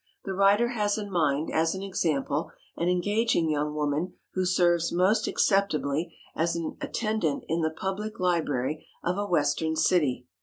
The writer has in mind, as an example, an engaging young woman who serves most acceptably as attendant in the public library of a western city.